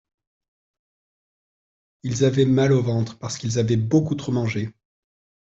Ils avaient mal au ventre parce qu’ils avaient beaucoup trop mangé.